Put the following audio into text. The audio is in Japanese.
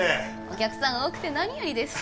お客さん多くて何よりです。